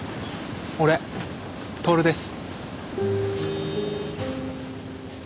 俺享です。